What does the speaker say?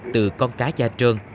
từ con cá gia trơn